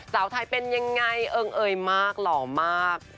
สาวไทยเป็นยังไงเอิงเอยมากหล่อมาก